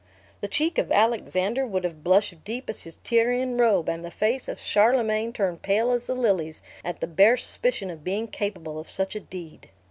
The cheek of Alexander would have blushed deep as his Tyrian robe; and the face of Charlemagne turned pale as the lilies, at the bare suspicion of being capable of such a deed.